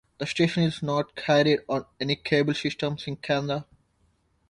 The station is not carried on any cable systems in Canada.